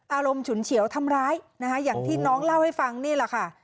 ฉุนเฉียวทำร้ายนะคะอย่างที่น้องเล่าให้ฟังนี่แหละค่ะ